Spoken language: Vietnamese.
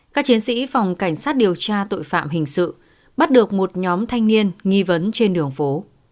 các chiến sĩ phòng cảnh sát điều tra tội phạm hình sự bắt được một nhóm thanh niên nghi vấn trên đường phố